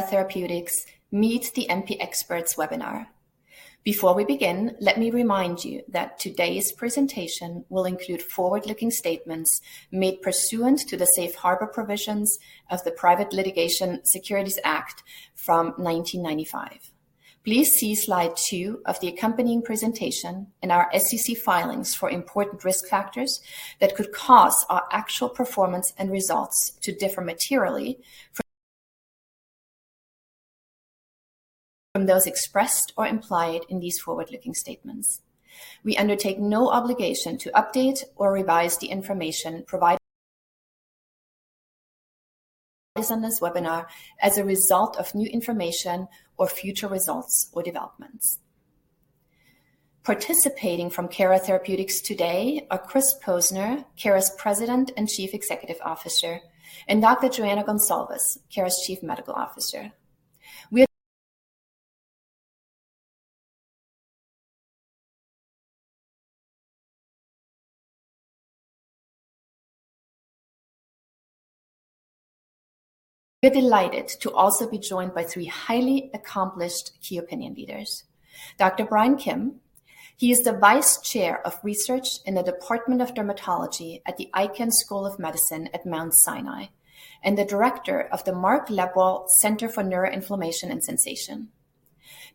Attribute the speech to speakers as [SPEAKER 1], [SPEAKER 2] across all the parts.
[SPEAKER 1] Therapeutics Meet the KOL Experts Webinar. Before we begin, let me remind you that today's presentation will include forward-looking statements made pursuant to the Safe Harbor provisions of the Private Securities Litigation Reform Act of 1995. Please see slide two of the accompanying presentation in our SEC filings for important risk factors that could cause our actual performance and results to differ materially from those expressed or implied in these forward-looking statements. We undertake no obligation to update or revise the information provided in this webinar as a result of new information or future results or developments. Participating from Cara Therapeutics today are Chris Posner, Cara's President and Chief Executive Officer, and Dr. Joana Goncalves, Cara's Chief Medical Officer. We're delighted to also be joined by three highly accomplished key opinion leaders. Dr. Brian Kim, he is the Vice Chair of Research in the Department of Dermatology at the Icahn School of Medicine at Mount Sinai and the Director of the Mark Lebwohl Center for Neuroinflammation and Sensation.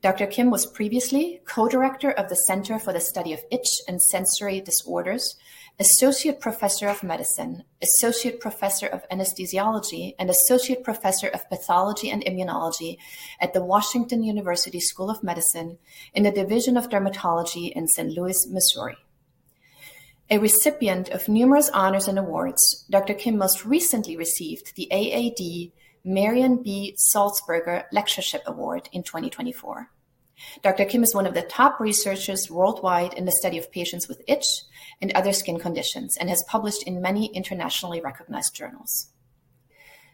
[SPEAKER 1] Dr. Kim was previously Co-Director of the Center for the Study of Itch and Sensory Disorders, Associate Professor of Medicine, Associate Professor of Anesthesiology, and Associate Professor of Pathology and Immunology at the Washington University School of Medicine in the Division of Dermatology in St. Louis, Missouri. A recipient of numerous honors and awards, Dr. Kim most recently received the AAD Marion B. Sulzberger Lectureship Award in 2024. Dr. Kim is one of the top researchers worldwide in the study of patients with itch and other skin conditions and has published in many internationally recognized journals.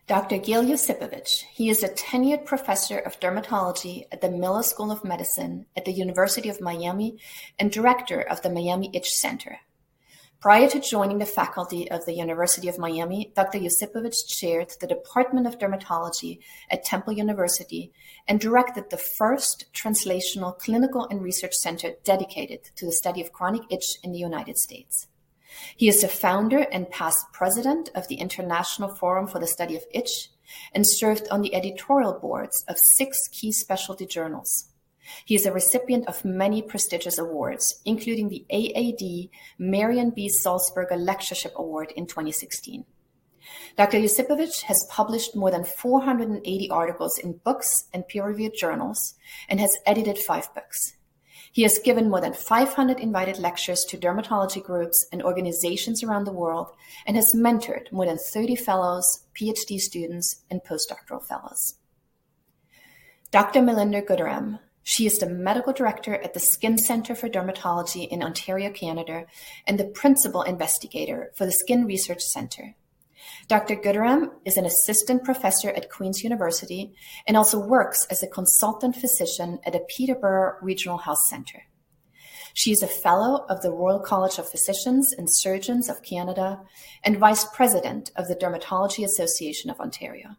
[SPEAKER 1] Dr. Gil Yosipovitch, he is a tenured Professor of Dermatology at the Miller School of Medicine at the University of Miami and Director of the Miami Itch Center. Prior to joining the faculty of the University of Miami, Dr. Yosipovitch chaired the Department of Dermatology at Temple University and directed the first translational clinical and research center dedicated to the study of chronic itch in the United States. He is the founder and past President of the International Forum for the Study of Itch and served on the editorial boards of six key specialty journals. He is a recipient of many prestigious awards, including the AAD Marion B. Sulzberger Memorial Award and Lectureship in 2016. Dr. Yosipovitch has published more than 480 articles in books and peer-reviewed journals and has edited five books. He has given more than 500 invited lectures to dermatology groups and organizations around the world and has mentored more than 30 fellows, PhD students, and postdoctoral fellows. Dr. Melinda Gooderham, she is the Medical Director at the SKiN Centre for Dermatology in Ontario, Canada, and the Principal Investigator for the SKiN Research Centre. Dr. Gooderham is an Assistant Professor at Queen's University and also works as a Consultant Physician at the Peterborough Regional Health Centre. She is a Fellow of the Royal College of Physicians and Surgeons of Canada and Vice President of the Dermatology Association of Ontario.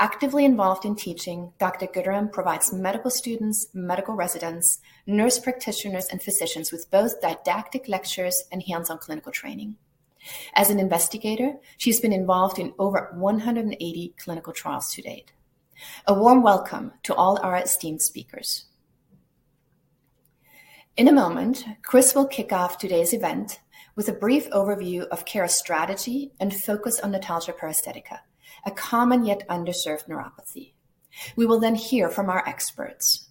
[SPEAKER 1] Actively involved in teaching, Dr. Gooderham provides medical students, medical residents, nurse practitioners, and physicians with both didactic lectures and hands-on clinical training. As an investigator, she has been involved in over 180 clinical trials to date. A warm welcome to all our esteemed speakers. In a moment, Chris will kick off today's event with a brief overview of Cara’s strategy and focus on notalgia paresthetica, a common yet underserved neuropathy. We will then hear from our experts.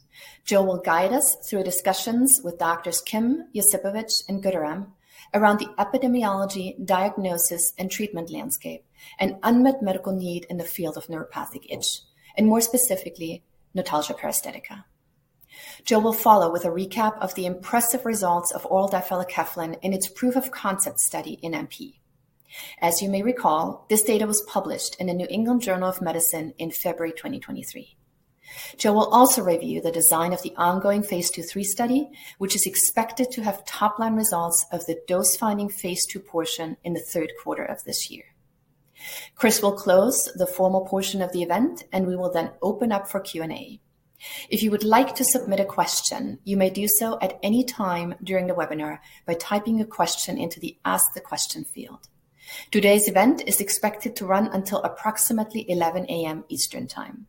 [SPEAKER 1] Joana will guide us through discussions with Drs. Kim, Yosipovitch, and Gooderham around the epidemiology, diagnosis, and treatment landscape and unmet medical need in the field of neuropathic itch, and more specifically, notalgia paresthetica. Joana will follow with a recap of the impressive results of oral difelikefalin in its proof-of-concept study in NP. As you may recall, this data was published in the New England Journal of Medicine in February 2023. Joana will also review the design of the ongoing Phase II/III study, which is expected to have top-line results of the dose-finding Phase II portion in the third quarter of this year. Chris will close the formal portion of the event, and we will then open up for Q&A. If you would like to submit a question, you may do so at any time during the webinar by typing a question into the Ask the Question field. Today's event is expected to run until approximately 11:00 A.M. Eastern Time.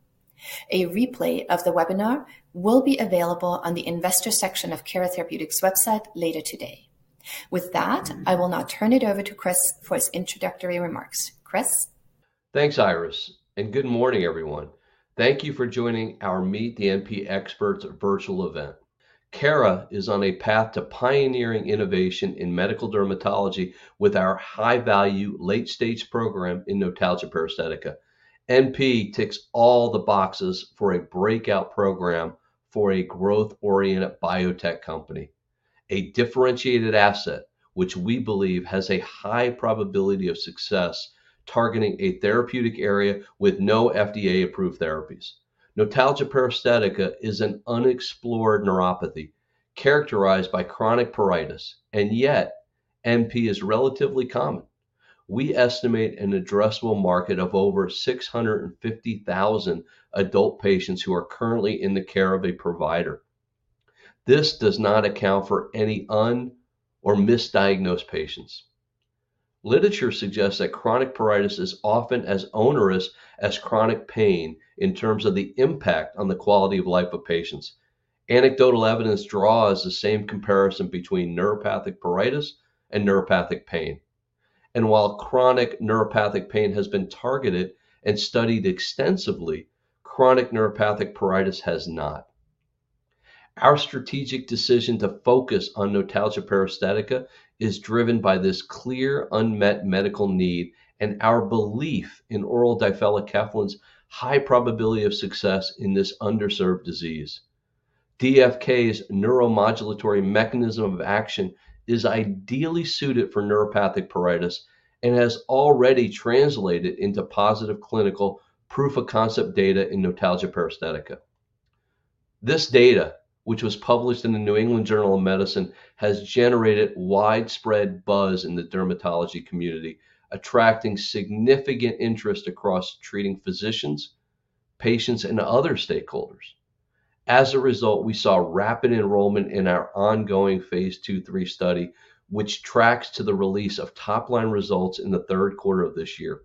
[SPEAKER 1] A replay of the webinar will be available on the Investor section of Cara Therapeutics website later today. With that, I will now turn it over to Chris for his introductory remarks. Chris?
[SPEAKER 2] Thanks, Iris. Good morning, everyone. Thank you for joining our Meet the NP Experts virtual event. Cara is on a path to pioneering innovation in medical dermatology with our high-value late-stage program in notalgia paresthetica. NP ticks all the boxes for a breakout program for a growth-oriented biotech company, a differentiated asset which we believe has a high probability of success targeting a therapeutic area with no FDA-approved therapies. Notalgia paresthetica is an unexplored neuropathy characterized by chronic pruritus, and yet NP is relatively common. We estimate an addressable market of over 650,000 adult patients who are currently in the care of a provider. This does not account for any un- or misdiagnosed patients. Literature suggests that chronic pruritus is often as onerous as chronic pain in terms of the impact on the quality of life of patients. Anecdotal evidence draws the same comparison between neuropathic pruritus and neuropathic pain. And while chronic neuropathic pain has been targeted and studied extensively, chronic neuropathic pruritus has not. Our strategic decision to focus on Notalgia paresthetica is driven by this clear unmet medical need and our belief in oral difelikefalin's high probability of success in this underserved disease. DFK's neuromodulatory mechanism of action is ideally suited for neuropathic pruritus and has already translated into positive clinical proof of concept data in Notalgia paresthetica. This data, which was published in the New England Journal of Medicine, has generated widespread buzz in the dermatology community, attracting significant interest across treating physicians, patients, and other stakeholders. As a result, we saw rapid enrollment in our ongoing Phase II/III study, which tracks to the release of top-line results in the third quarter of this year.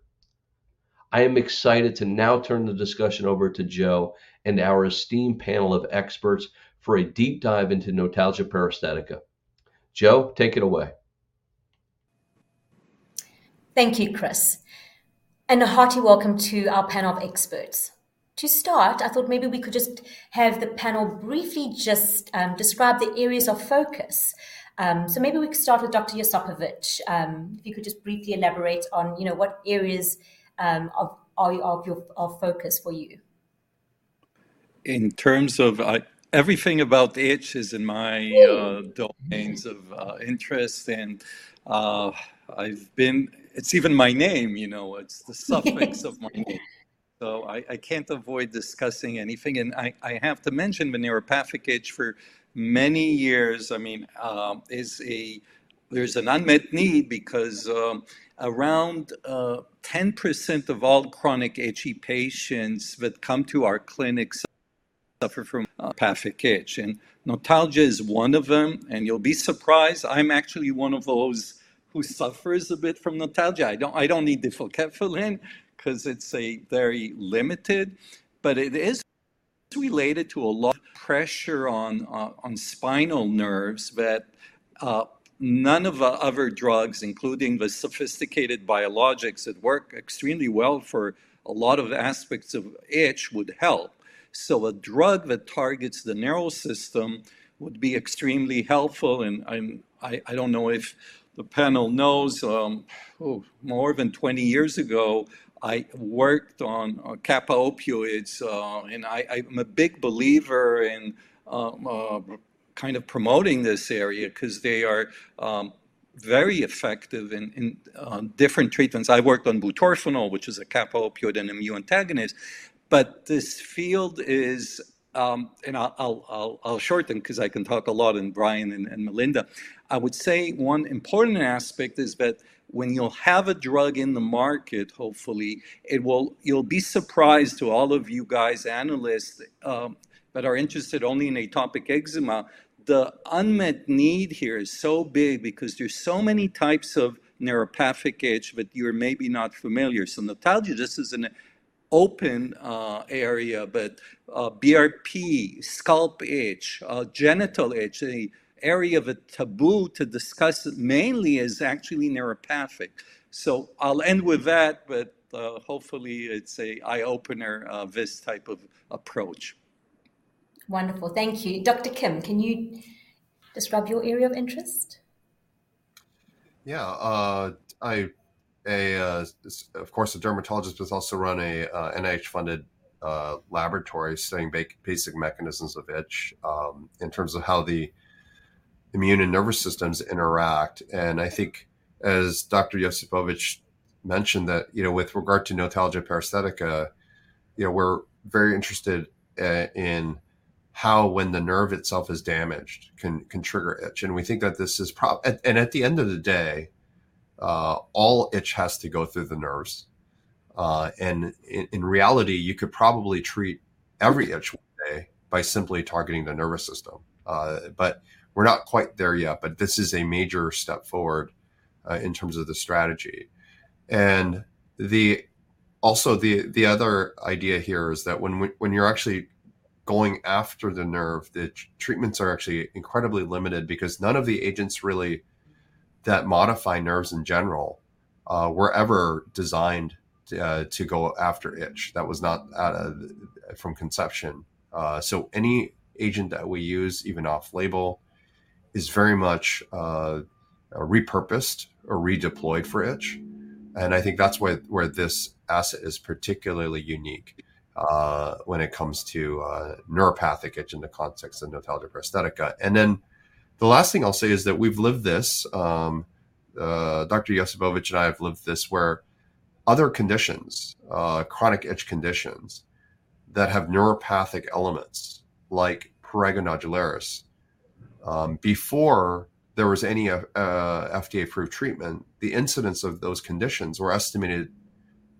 [SPEAKER 2] I am excited to now turn the discussion over to Joe and our esteemed panel of experts for a deep dive into Notalgia paresthetica. Joe, take it away.
[SPEAKER 3] Thank you, Chris. A hearty welcome to our panel of experts. To start, I thought maybe we could just have the panel briefly just describe the areas of focus. Maybe we could start with Dr. Yosipovitch, if you could just briefly elaborate on what areas of your focus for you.
[SPEAKER 4] In terms of everything about itch is in my domains of interest, and it's even my name. It's the suffix of my name. I can't avoid discussing anything. I have to mention the neuropathic itch for many years. I mean, there's an unmet need because around 10% of all chronic itchy patients that come to our clinics suffer from neuropathic itch. Notalgia is one of them. You'll be surprised, I'm actually one of those who suffers a bit from Notalgia. I don't need difelikefalin because it's very limited. But it is related to a lot of pressure on spinal nerves that none of the other drugs, including the sophisticated biologics that work extremely well for a lot of aspects of itch, would help. A drug that targets the neural system would be extremely helpful. And I don't know if the panel knows, more than 20 years ago, I worked on kappa opioids. And I'm a big believer in kind of promoting this area because they are very effective in different treatments. I worked on butorphanol, which is a kappa opioid and mu antagonist. But this field is, and I'll shorten because I can talk a lot, and Brian and Melinda. I would say one important aspect is that when you'll have a drug in the market, hopefully, you'll be surprised to all of you guys analysts that are interested only in atopic eczema. The unmet need here is so big because there's so many types of neuropathic itch that you're maybe not familiar. So Notalgia, this is an open area, but BRP, scalp itch, genital itch, the area that's taboo to discuss mainly is actually neuropathic. I'll end with that, but hopefully, it's an eye-opener this type of approach.
[SPEAKER 3] Wonderful. Thank you. Dr. Kim, can you describe your area of interest?
[SPEAKER 5] Yeah. Of course, a dermatologist does also run an NIH-funded laboratory studying basic mechanisms of itch in terms of how the immune and nervous systems interact. And I think, as Dr. Yosipovitch mentioned, that with regard to notalgia paresthetica, we're very interested in how, when the nerve itself is damaged, can trigger itch. And we think that this is and at the end of the day, all itch has to go through the nerves. And in reality, you could probably treat every itch one day by simply targeting the nervous system. But we're not quite there yet. But this is a major step forward in terms of the strategy. And also, the other idea here is that when you're actually going after the nerve, the treatments are actually incredibly limited because none of the agents really that modify nerves in general were ever designed to go after itch. That was not from conception. So any agent that we use, even off-label, is very much repurposed or redeployed for itch. And I think that's where this asset is particularly unique when it comes to neuropathic itch in the context of notalgia paresthetica. And then the last thing I'll say is that we've lived this Dr. Yosipovitch and I have lived this where other conditions, chronic itch conditions that have neuropathic elements like prurigo nodularis, before there was any FDA-approved treatment, the incidence of those conditions were estimated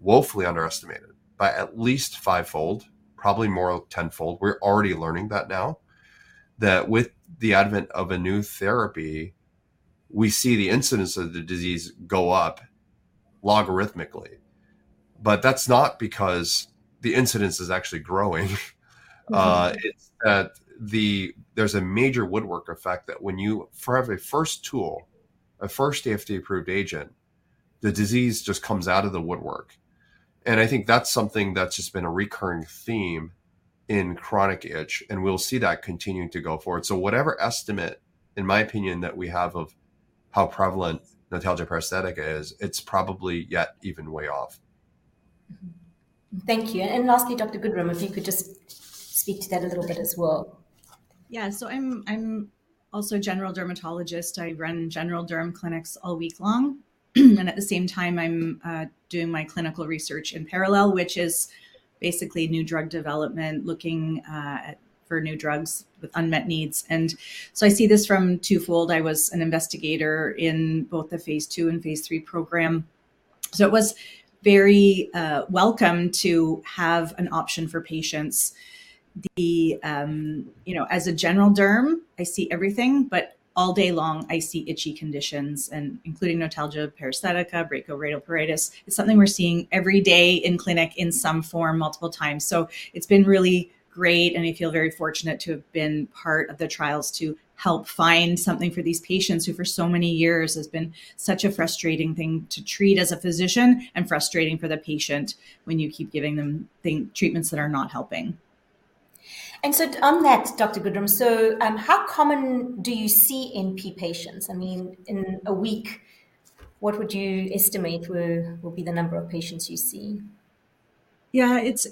[SPEAKER 5] woefully underestimated by at least fivefold, probably more tenfold. We're already learning that now. That with the advent of a new therapy, we see the incidence of the disease go up logarithmically. But that's not because the incidence is actually growing. It's that there's a major woodwork effect that when you have a first tool, a first FDA-approved agent, the disease just comes out of the woodwork. And I think that's something that's just been a recurring theme in chronic itch. And we'll see that continuing to go forward. So whatever estimate, in my opinion, that we have of how prevalent Notalgia paresthetica is, it's probably yet even way off.
[SPEAKER 3] Thank you. Lastly, Dr. Gooderham, if you could just speak to that a little bit as well.
[SPEAKER 6] Yeah. So I'm also a general dermatologist. I run general derm clinics all week long. At the same time, I'm doing my clinical research in parallel, which is basically new drug development, looking for new drugs with unmet needs. So I see this from twofold. I was an investigator in both the phase II and phase III program. It was very welcome to have an option for patients. As a general derm, I see everything. All day long, I see itchy conditions, including notalgia paresthetica, brachioradial pruritus. It's something we're seeing every day in clinic in some form multiple times. It's been really great. I feel very fortunate to have been part of the trials to help find something for these patients who, for so many years, has been such a frustrating thing to treat as a physician and frustrating for the patient when you keep giving them treatments that are not helping.
[SPEAKER 3] On that, Dr. Gooderham, how common do you see NP patients? I mean, in a week, what would you estimate will be the number of patients you see?
[SPEAKER 6] Yeah. It's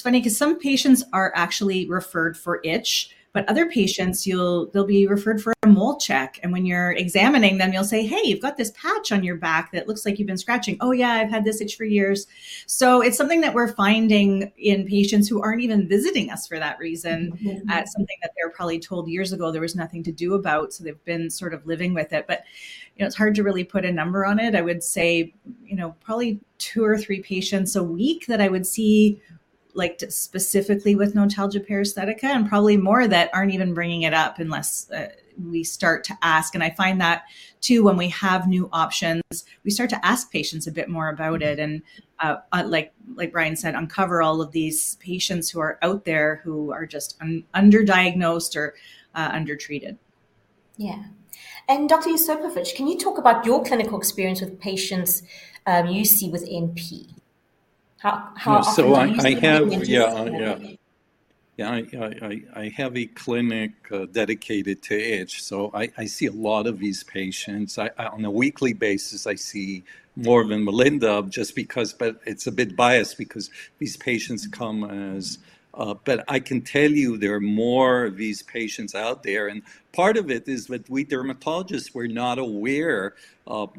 [SPEAKER 6] funny because some patients are actually referred for itch. But other patients, they'll be referred for a mole check. And when you're examining them, you'll say, "Hey, you've got this patch on your back that looks like you've been scratching. Oh, yeah, I've had this itch for years." So it's something that we're finding in patients who aren't even visiting us for that reason, something that they were probably told years ago there was nothing to do about. So they've been sort of living with it. But it's hard to really put a number on it. I would say probably two or three patients a week that I would see specifically with notalgia paresthetica and probably more that aren't even bringing it up unless we start to ask. And I find that, too, when we have new options, we start to ask patients a bit more about it. Like Brian said, uncover all of these patients who are out there who are just underdiagnosed or undertreated.
[SPEAKER 3] Yeah. Dr. Yosipovitch, can you talk about your clinical experience with patients you see with NP? How often do you see them?
[SPEAKER 4] Yeah. Yeah. Yeah. I have a clinic dedicated to itch. So I see a lot of these patients. On a weekly basis, I see more than Melinda just because but it's a bit biased because these patients come as but I can tell you there are more of these patients out there. And part of it is that we, dermatologists, were not aware.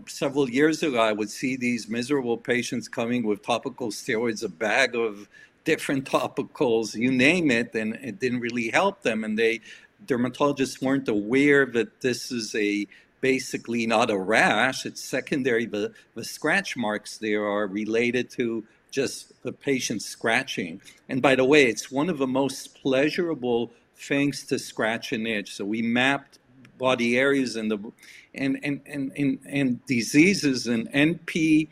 [SPEAKER 4] Several years ago, I would see these miserable patients coming with topical steroids, a bag of different topicals, you name it. And it didn't really help them. And dermatologists weren't aware that this is basically not a rash. It's secondary. The scratch marks there are related to just the patient scratching. And by the way, it's one of the most pleasurable things to scratch an itch. So we mapped body areas and diseases. NP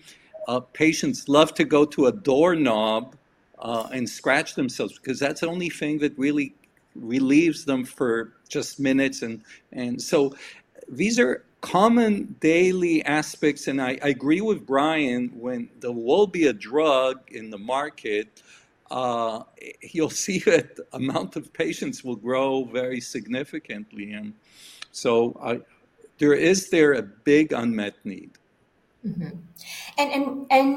[SPEAKER 4] patients love to go to a doorknob and scratch themselves because that's the only thing that really relieves them for just minutes. These are common daily aspects. I agree with Brian. When there will be a drug in the market, you'll see that amount of patients will grow very significantly. There is a big unmet need.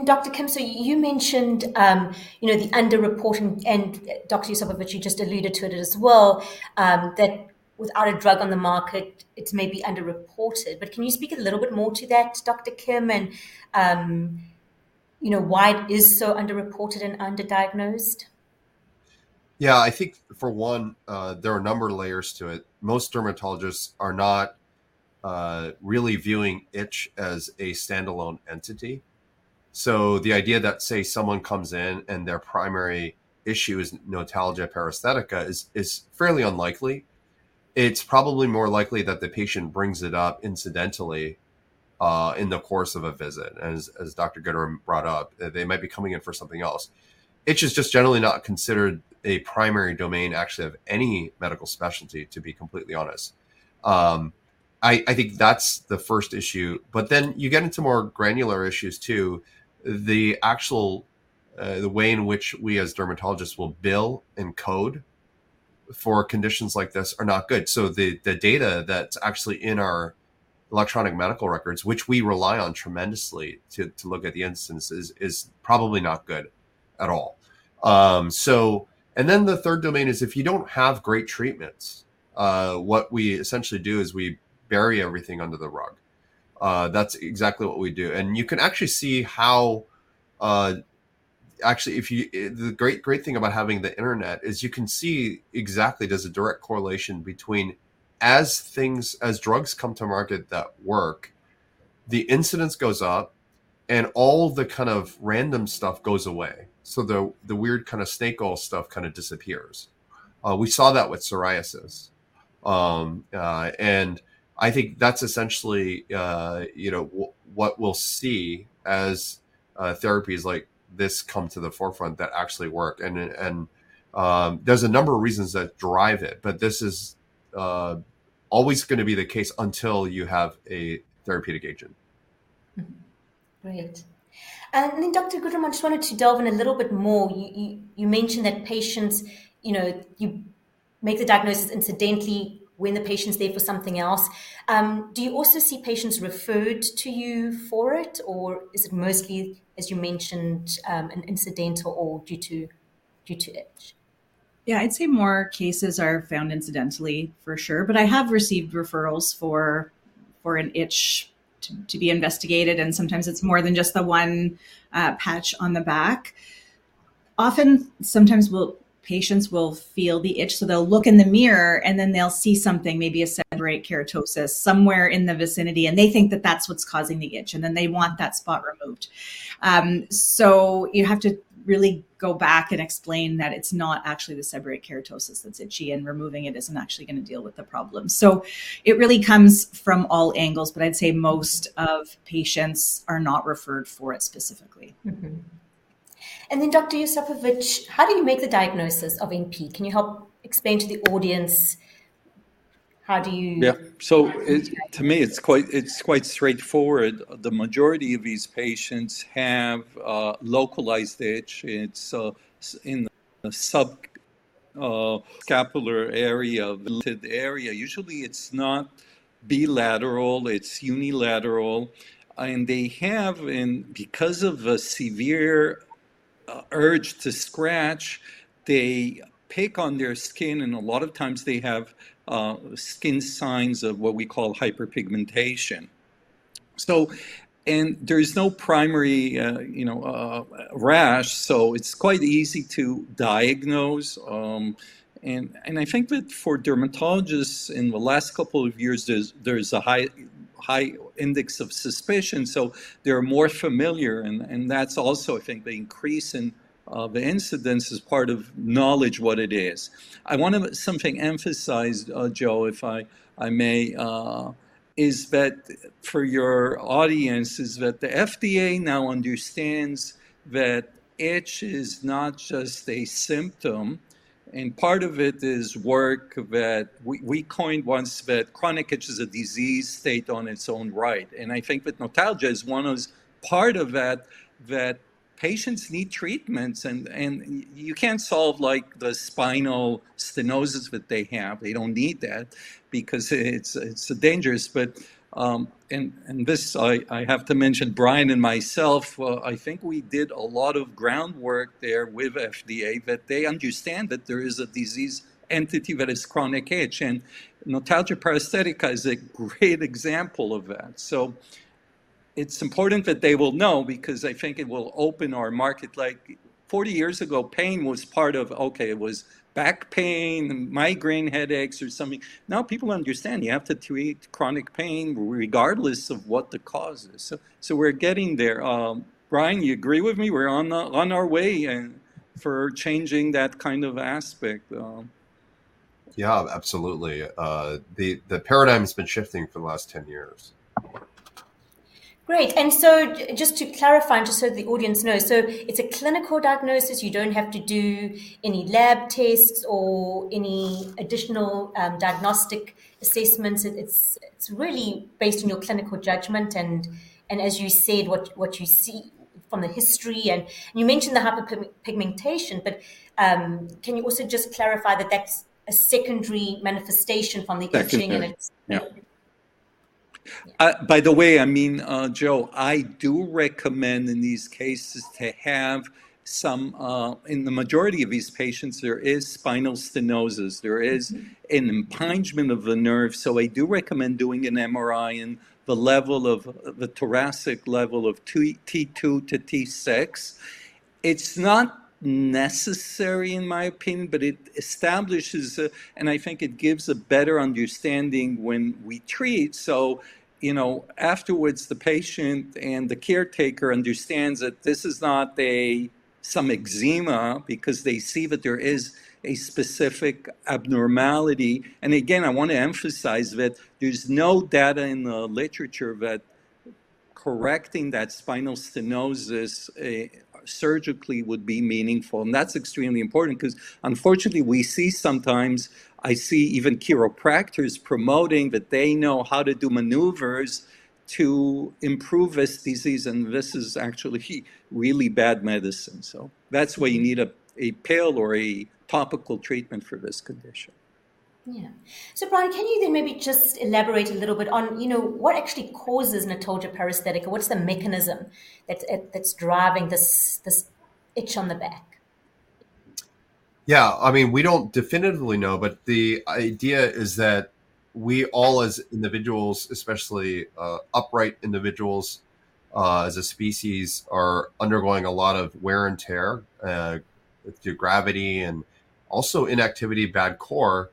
[SPEAKER 3] Dr. Kim, so you mentioned the underreporting. And Dr. Yosipovitch, you just alluded to it as well, that without a drug on the market, it's maybe underreported. But can you speak a little bit more to that, Dr. Kim, and why it is so underreported and underdiagnosed?
[SPEAKER 5] Yeah. I think, for one, there are a number of layers to it. Most dermatologists are not really viewing itch as a standalone entity. So the idea that, say, someone comes in and their primary issue is notalgia paresthetica is fairly unlikely. It's probably more likely that the patient brings it up incidentally in the course of a visit. As Dr. Gooderham brought up, they might be coming in for something else. Itch is just generally not considered a primary domain actually of any medical specialty, to be completely honest. I think that's the first issue. But then you get into more granular issues, too. The way in which we, as dermatologists, will bill and code for conditions like this are not good. So the data that's actually in our electronic medical records, which we rely on tremendously to look at the instances, is probably not good at all. And then the third domain is if you don't have great treatments, what we essentially do is we bury everything under the rug. That's exactly what we do. And you can actually see how, actually, the great thing about having the internet is you can see exactly there's a direct correlation between, as drugs come to market that work, the incidence goes up, and all the kind of random stuff goes away. So the weird kind of snake oil stuff kind of disappears. We saw that with psoriasis. And I think that's essentially what we'll see as therapies like this come to the forefront that actually work. And there's a number of reasons that drive it. But this is always going to be the case until you have a therapeutic agent.
[SPEAKER 3] Great. And then, Dr. Gooderham, I just wanted to delve in a little bit more. You mentioned that patients you make the diagnosis incidentally when the patient's there for something else. Do you also see patients referred to you for it? Or is it mostly, as you mentioned, an incidental or due to itch?
[SPEAKER 6] Yeah. I'd say more cases are found incidentally, for sure. But I have received referrals for an itch to be investigated. And sometimes it's more than just the one patch on the back. Often, sometimes patients will feel the itch. So they'll look in the mirror, and then they'll see something, maybe a seborrheic keratosis somewhere in the vicinity. And they think that that's what's causing the itch. And then they want that spot removed. So you have to really go back and explain that it's not actually the seborrheic keratosis that's itchy. And removing it isn't actually going to deal with the problem. So it really comes from all angles. But I'd say most of patients are not referred for it specifically.
[SPEAKER 3] Then, Dr. Yosipovitch, how do you make the diagnosis of NP? Can you help explain to the audience how do you?
[SPEAKER 4] Yeah. So to me, it's quite straightforward. The majority of these patients have localized itch. It's in the subscapular area of the area. Usually, it's not bilateral. It's unilateral. And because of a severe urge to scratch, they pick on their skin. And a lot of times, they have skin signs of what we call hyperpigmentation. And there's no primary rash. So it's quite easy to diagnose. And I think that for dermatologists in the last couple of years, there's a high index of suspicion. So they're more familiar. And that's also, I think, the increase in the incidence is part of knowledge what it is. I want to emphasize something, Joe, if I may, is that for your audience, is that the FDA now understands that itch is not just a symptom. And part of it is work that we coined once that chronic itch is a disease state on its own right. And I think that Notalgia is part of that, that patients need treatments. And you can't solve the spinal stenosis that they have. They don't need that because it's dangerous. And this, I have to mention Brian and myself, I think we did a lot of groundwork there with FDA that they understand that there is a disease entity that is chronic itch. And Notalgia paresthetica is a great example of that. So it's important that they will know because I think it will open our market. Like 40 years ago, pain was part of, okay, it was back pain, migraine headaches, or something. Now people understand you have to treat chronic pain regardless of what the cause is. So we're getting there. Brian, you agree with me? We're on our way for changing that kind of aspect.
[SPEAKER 5] Yeah. Absolutely. The paradigm has been shifting for the last 10 years.
[SPEAKER 3] Great. Just to clarify and just so the audience knows, it's a clinical diagnosis. You don't have to do any lab tests or any additional diagnostic assessments. It's really based on your clinical judgment and, as you said, what you see from the history. You mentioned the hyperpigmentation. Can you also just clarify that that's a secondary manifestation from the itching and itching?
[SPEAKER 4] Yeah. By the way, I mean, Joe, I do recommend in these cases to have some in the majority of these patients, there is spinal stenosis. There is an impingement of the nerve. So I do recommend doing an MRI in the thoracic level of T2 to T6. It's not necessary, in my opinion. But it establishes a and I think it gives a better understanding when we treat. So afterwards, the patient and the caretaker understands that this is not some eczema because they see that there is a specific abnormality. And again, I want to emphasize that there's no data in the literature that correcting that spinal stenosis surgically would be meaningful. And that's extremely important because, unfortunately, we see sometimes I see even chiropractors promoting that they know how to do maneuvers to improve this disease. And this is actually really bad medicine. That's why you need a pill or a topical treatment for this condition.
[SPEAKER 3] Yeah. So Brian, can you then maybe just elaborate a little bit on what actually causes Notalgia paresthetica? What's the mechanism that's driving this itch on the back?
[SPEAKER 5] Yeah. I mean, we don't definitively know. But the idea is that we all, as individuals, especially upright individuals as a species, are undergoing a lot of wear and tear through gravity and also inactivity, bad core,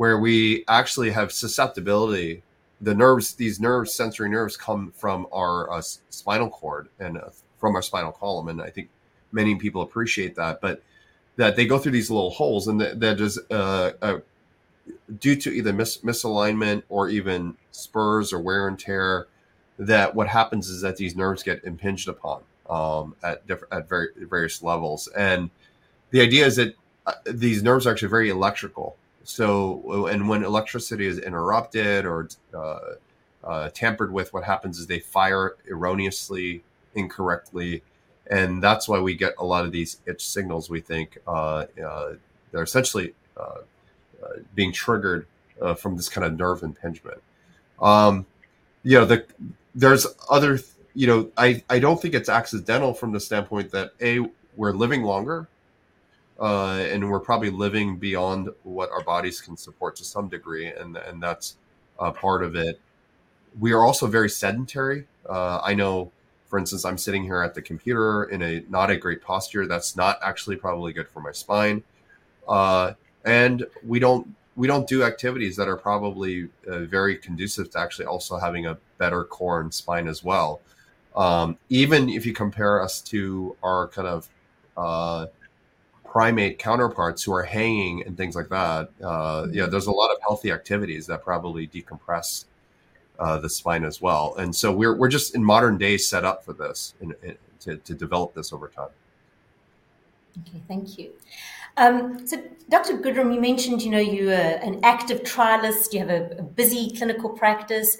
[SPEAKER 5] where we actually have susceptibility. These sensory nerves come from our spinal cord and from our spinal column. I think many people appreciate that, but that they go through these little holes. Due to either misalignment or even spurs or wear and tear, what happens is that these nerves get impinged upon at various levels. The idea is that these nerves are actually very electrical. When electricity is interrupted or tampered with, what happens is they fire erroneously, incorrectly. That's why we get a lot of these itch signals. We think they're essentially being triggered from this kind of nerve impingement. There's other. I don't think it's accidental from the standpoint that, A, we're living longer. We're probably living beyond what our bodies can support to some degree. That's part of it. We are also very sedentary. I know, for instance, I'm sitting here at the computer in not a great posture. That's not actually probably good for my spine. We don't do activities that are probably very conducive to actually also having a better core and spine as well. Even if you compare us to our kind of primate counterparts who are hanging and things like that, there's a lot of healthy activities that probably decompress the spine as well. So we're just, in modern day, set up for this to develop this over time.
[SPEAKER 3] Okay. Thank you. So Dr. Gooderham, you mentioned you're an active trialist. You have a busy clinical practice.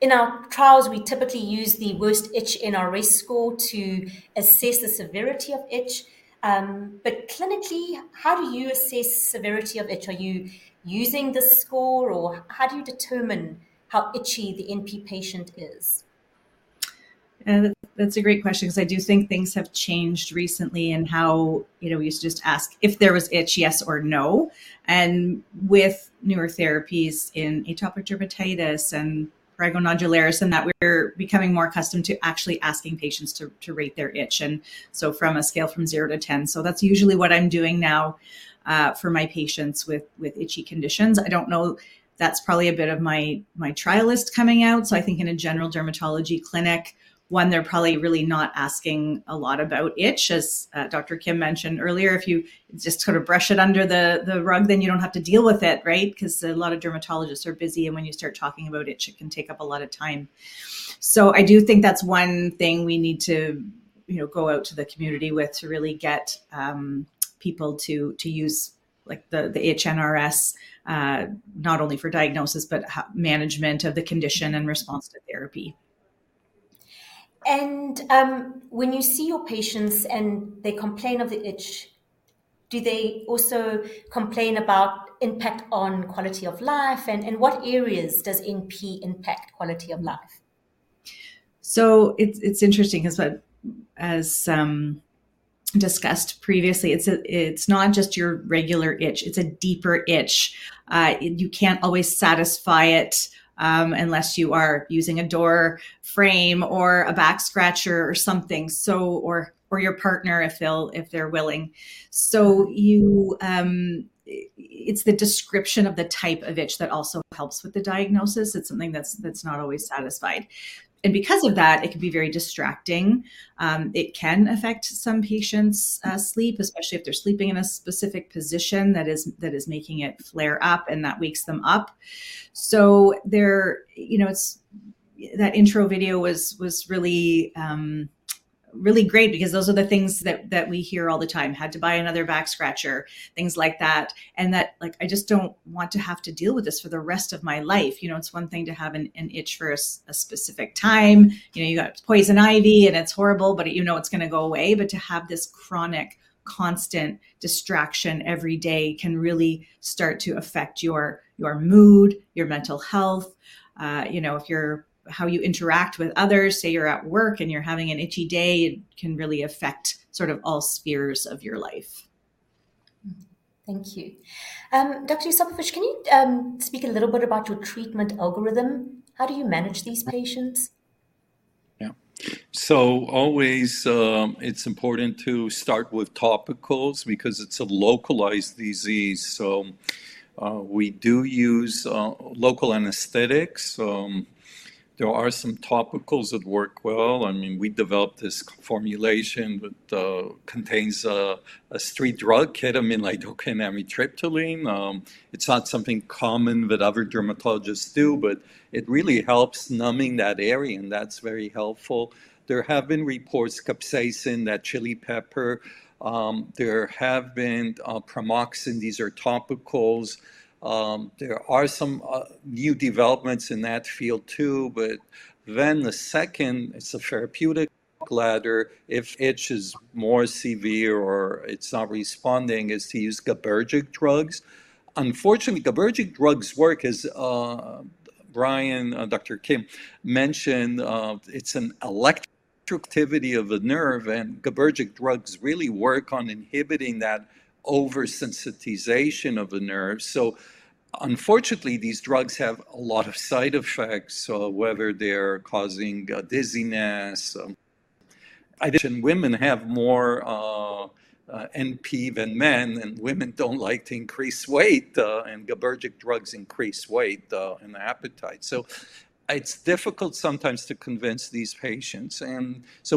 [SPEAKER 3] In our trials, we typically use the Worst Itch NRS to assess the severity of itch. But clinically, how do you assess severity of itch? Are you using this score? Or how do you determine how itchy the NP patient is?
[SPEAKER 6] That's a great question because I do think things have changed recently in how we used to just ask if there was itch, yes or no. With newer therapies in atopic dermatitis and prurigo nodularis and that, we're becoming more accustomed to actually asking patients to rate their itch. From a scale from 0-10 so that's usually what I'm doing now for my patients with itchy conditions. I don't know. That's probably a bit of my trialist coming out. I think in a general dermatology clinic, one, they're probably really not asking a lot about itch. As Dr. Kim mentioned earlier, if you just sort of brush it under the rug, then you don't have to deal with it, right, because a lot of dermatologists are busy. When you start talking about itch, it can take up a lot of time. I do think that's one thing we need to go out to the community with to really get people to use the NRS not only for diagnosis but management of the condition and response to therapy.
[SPEAKER 3] When you see your patients and they complain of the itch, do they also complain about impact on quality of life? What areas does NP impact quality of life?
[SPEAKER 6] So it's interesting because, as discussed previously, it's not just your regular itch. It's a deeper itch. You can't always satisfy it unless you are using a door frame or a back scratcher or something or your partner if they're willing. So it's the description of the type of itch that also helps with the diagnosis. It's something that's not always satisfied. And because of that, it can be very distracting. It can affect some patients' sleep, especially if they're sleeping in a specific position that is making it flare up and that wakes them up. So that intro video was really great because those are the things that we hear all the time, "Had to buy another back scratcher," things like that. And I just don't want to have to deal with this for the rest of my life. It's one thing to have an itch for a specific time. You got poison ivy, and it's horrible. But you know it's going to go away. But to have this chronic, constant distraction every day can really start to affect your mood, your mental health, how you interact with others. Say you're at work and you're having an itchy day. It can really affect sort of all spheres of your life.
[SPEAKER 3] Thank you. Dr. Yosipovitch, can you speak a little bit about your treatment algorithm? How do you manage these patients?
[SPEAKER 4] Yeah. So always, it's important to start with topicals because it's a localized disease. So we do use local anesthetics. There are some topicals that work well. I mean, we developed this formulation that contains a street drug, ketamine, lidocaine, amitriptyline. It's not something common that other dermatologists do. But it really helps numbing that area. And that's very helpful. There have been reports, capsaicin, that chili pepper. There have been Pramoxine. These are topicals. There are some new developments in that field too. But then the second, it's a therapeutic ladder. If itch is more severe or it's not responding, is to use GABAergic drugs. Unfortunately, GABAergic drugs work, as Brian, Dr. Kim mentioned, it's an electric activity of a nerve. And GABAergic drugs really work on inhibiting that oversensitization of a nerve. So unfortunately, these drugs have a lot of side effects, whether they're causing dizziness. Women have more NP than men. Women don't like to increase weight. Gabapentin drugs increase weight and appetite. So it's difficult sometimes to convince these patients.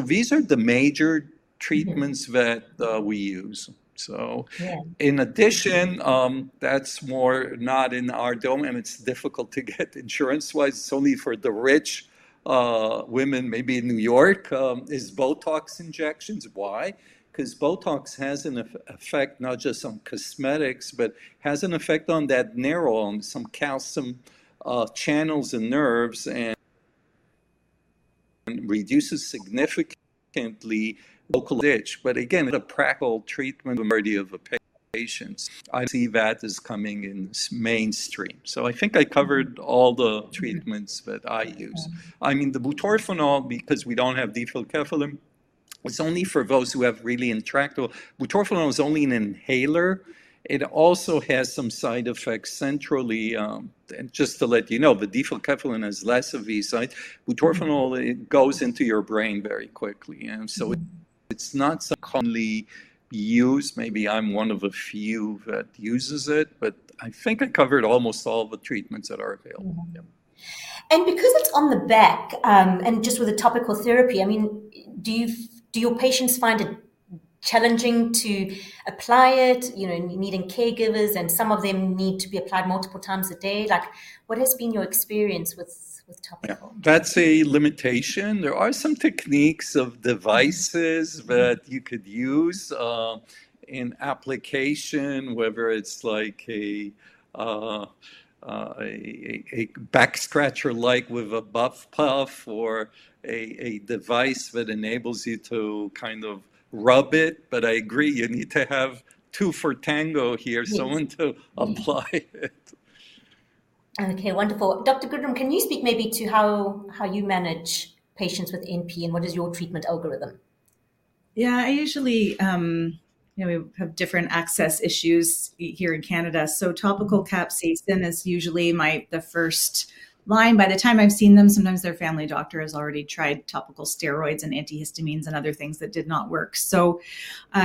[SPEAKER 4] These are the major treatments that we use. So in addition, that's more not in our domain. It's difficult to get insurance-wise. It's only for the rich women, maybe in New York, is Botox injections. Why? Because Botox has an effect not just on cosmetics but has an effect on that neuron, some calcium channels and nerves. It reduces significantly local itch. But again, a practical treatment. Majority of the patients. I see that is coming in mainstream. So I think I covered all the treatments that I use. I mean, the butorphanol because we don't have difelikefalin. It's only for those who have really intractable butorphanol is only an inhaler. It also has some side effects centrally. Just to let you know, the difelikefalin has less of these sites. Butorphanol, it goes into your brain very quickly. So it's not so commonly used. Maybe I'm one of a few that uses it. But I think I covered almost all the treatments that are available. Yeah.
[SPEAKER 3] Because it's on the back and just with a topical therapy, I mean, do your patients find it challenging to apply it, needing caregivers? Some of them need to be applied multiple times a day. What has been your experience with topicals?
[SPEAKER 4] That's a limitation. There are some techniques of devices that you could use in application, whether it's like a back scratcher-like with a buff puff or a device that enables you to kind of rub it. But I agree, you need to have two for tango here, someone to apply it.
[SPEAKER 3] Okay. Wonderful. Dr. Gooderham, can you speak maybe to how you manage patients with NP? What is your treatment algorithm?
[SPEAKER 6] Yeah. We have different access issues here in Canada. So topical capsaicin is usually the first line. By the time I've seen them, sometimes their family doctor has already tried topical steroids and antihistamines and other things that did not work. So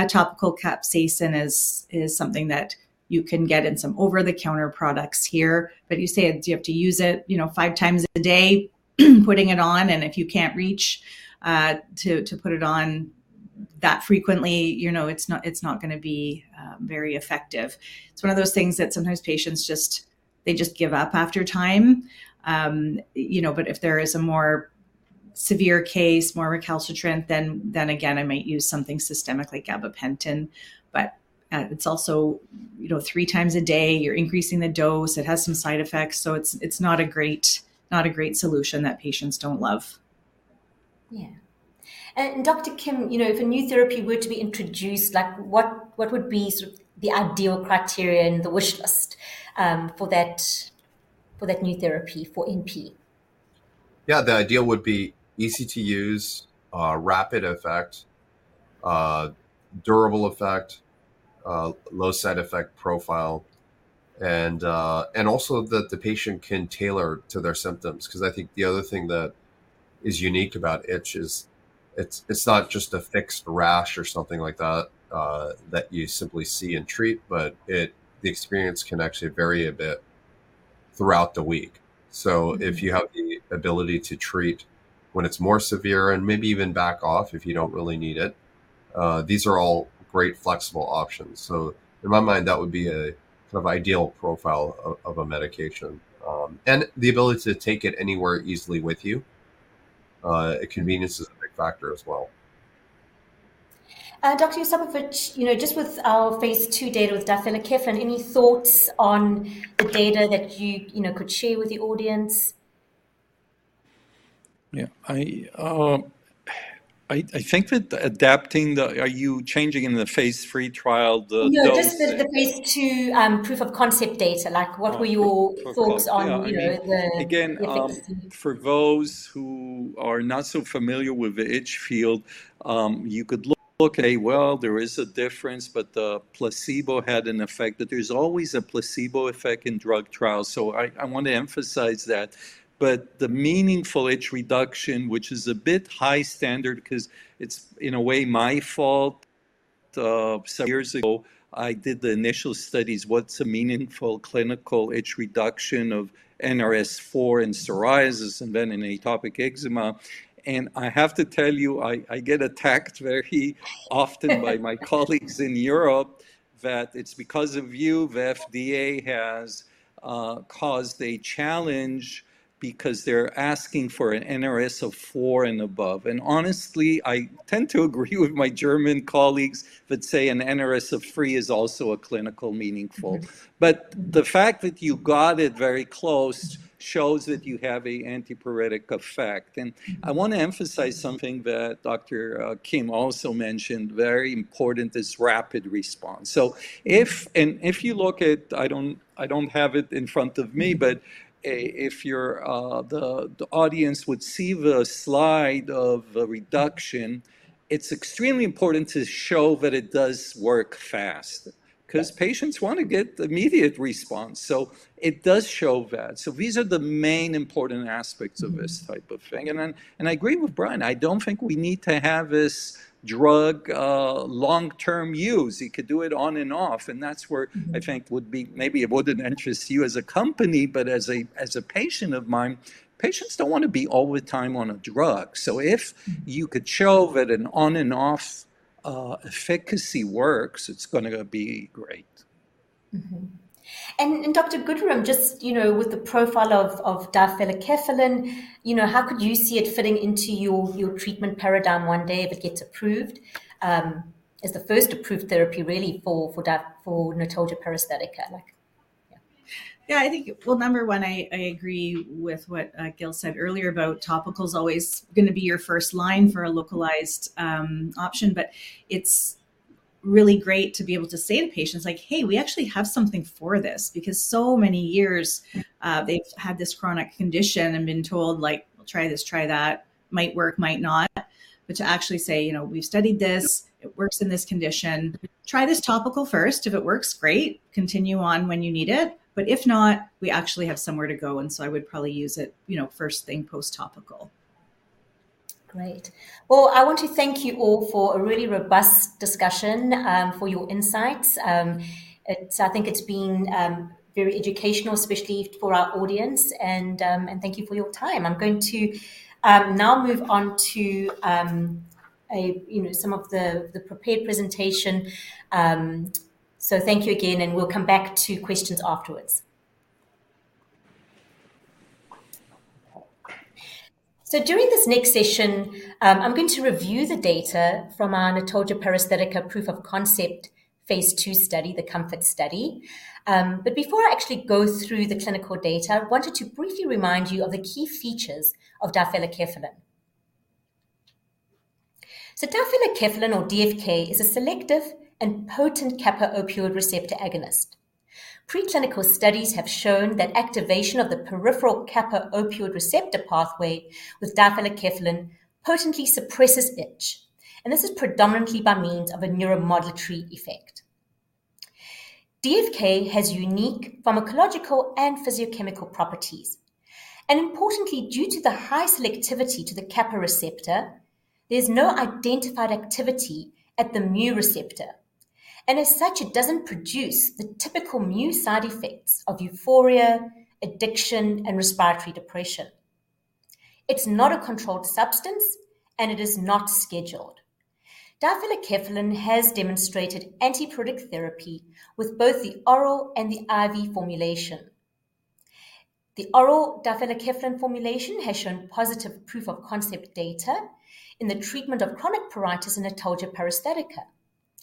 [SPEAKER 6] topical capsaicin is something that you can get in some over-the-counter products here. But you say you have to use it five times a day, putting it on. And if you can't reach to put it on that frequently, it's not going to be very effective. It's one of those things that sometimes patients, they just give up after time. But if there is a more severe case, more recalcitrant, then again, I might use something systemic like gabapentin. But it's also 3 times a day. You're increasing the dose. It has some side effects. So it's not a great solution that patients don't love.
[SPEAKER 3] Yeah. Dr. Kim, if a new therapy were to be introduced, what would be sort of the ideal criteria and the wishlist for that new therapy for NP?
[SPEAKER 5] Yeah. The ideal would be easy to use, rapid effect, durable effect, low side effect profile, and also that the patient can tailor to their symptoms. Because I think the other thing that is unique about itch is it's not just a fixed rash or something like that that you simply see and treat. But the experience can actually vary a bit throughout the week. So if you have the ability to treat when it's more severe and maybe even back off if you don't really need it, these are all great flexible options. So in my mind, that would be a kind of ideal profile of a medication. And the ability to take it anywhere easily with you. Convenience is a big factor as well.
[SPEAKER 3] Dr. Yosipovitch, just with our phase II data with difelikefalin, any thoughts on the data that you could share with the audience?
[SPEAKER 4] Yeah. I think that. Are you changing the dose in the phase III trial?
[SPEAKER 3] No. Just the phase II proof-of-concept data. What were your thoughts on the effects?
[SPEAKER 4] Again, for those who are not so familiar with the itch field, you could look, "Okay. Well, there is a difference. But the placebo had an effect." But there's always a placebo effect in drug trials. So I want to emphasize that. But the meaningful itch reduction, which is a bit high standard because it's, in a way, my fault. Several years ago, I did the initial studies. What's a meaningful clinical itch reduction of NRS4 in psoriasis and then in atopic eczema? And I have to tell you, I get attacked very often by my colleagues in Europe that it's because of you, the FDA has caused a challenge because they're asking for an NRS of four and above. And honestly, I tend to agree with my German colleagues that say an NRS of three is also clinically meaningful. The fact that you got it very close shows that you have an antipruritic effect. I want to emphasize something that Dr. Kim also mentioned. Very important is rapid response. So if you look at, I don't have it in front of me. But if the audience would see the slide of reduction, it's extremely important to show that it does work fast because patients want to get immediate response. So it does show that. These are the main important aspects of this type of thing. I agree with Brian. I don't think we need to have this drug long-term use. You could do it on and off. That's where I think would be maybe it wouldn't interest you as a company. But as a patient of mine, patients don't want to be all the time on a drug. If you could show that an on-and-off efficacy works, it's going to be great.
[SPEAKER 3] Dr. Gooderham, just with the profile of difelikefalin, how could you see it fitting into your treatment paradigm one day if it gets approved as the first approved therapy, really, for notalgia paresthetica? Yeah.
[SPEAKER 6] Yeah. Well, number one, I agree with what Gil said earlier about topicals always going to be your first line for a localized option. But it's really great to be able to say to patients like, "Hey, we actually have something for this." Because so many years, they've had this chronic condition and been told like, "We'll try this, try that. Might work, might not." But to actually say, "We've studied this. It works in this condition. Try this topical first. If it works, great. Continue on when you need it. But if not, we actually have somewhere to go. And so I would probably use it first thing post-topical.
[SPEAKER 3] Great. Well, I want to thank you all for a really robust discussion, for your insights. I think it's been very educational, especially for our audience. And thank you for your time. I'm going to now move on to some of the prepared presentation. So thank you again. And we'll come back to questions afterwards. So during this next session, I'm going to review the data from our notalgia paresthetica proof-of-concept Phase II study, the COMFORT Study. But before I actually go through the clinical data, I wanted to briefly remind you of the key features of difelikefalin. So difelikefalin, or DFK, is a selective and potent kappa opioid receptor agonist. Preclinical studies have shown that activation of the peripheral kappa opioid receptor pathway with difelikefalin potently suppresses itch. And this is predominantly by means of a neuromodulatory effect. DFK has unique pharmacological and physicochemical properties. Importantly, due to the high selectivity to the kappa receptor, there's no identified activity at the mu receptor. And as such, it doesn't produce the typical mu side effects of euphoria, addiction, and respiratory depression. It's not a controlled substance. It is not scheduled. Difelikefalin has demonstrated antipruritic therapy with both the oral and the IV formulation. The oral Difelikefalin formulation has shown positive proof of concept data in the treatment of chronic pruritus and notalgia paresthetica.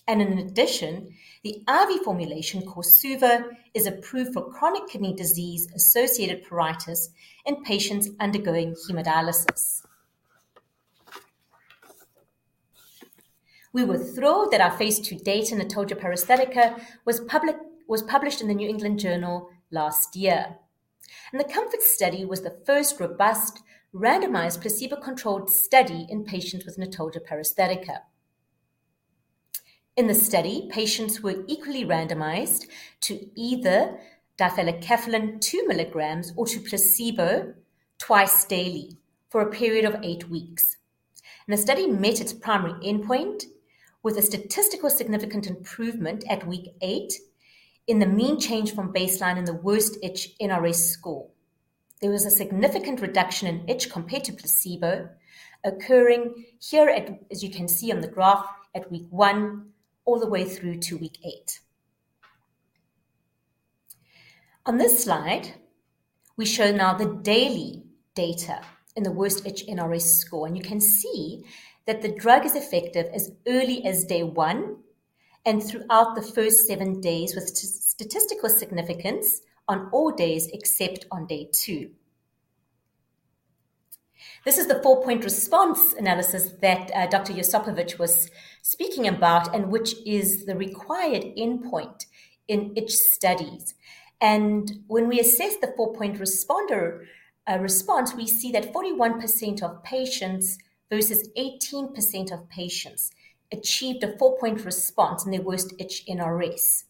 [SPEAKER 3] And in addition, the IV formulation, KORSUVA, is approved for chronic kidney disease-associated pruritus in patients undergoing hemodialysis. We were thrilled that our phase II data notalgia paresthetica was published in the New England Journal of Medicine last year. The Comfort Study was the first robust randomized placebo-controlled study in patients with notalgia paresthetica. In the study, patients were equally randomized to either difelikefalin 2 mg or to placebo twice daily for a period of eight weeks. The study met its primary endpoint with a statistically significant improvement at week eight in the mean change from baseline in the worst itch NRS score. There was a significant reduction in itch compared to placebo occurring here, as you can see on the graph, at week one all the way through to week eight. On this slide, we show now the daily data in the worst itch NRS score. You can see that the drug is effective as early as day one and throughout the first seven days with statistical significance on all days except on day two. This is the four-point response analysis that Dr. Yosipovitch was speaking about and which is the required endpoint in itch studies. When we assess the four-point responder response, we see that 41% of patients versus 18% of patients achieved a four-point response in their Worst Itch NRS.